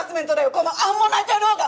このアンモナイト野郎が！